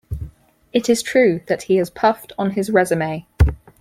It is true that he has puffed on his resume.